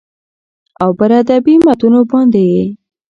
او پر ادبي متونو باندې يې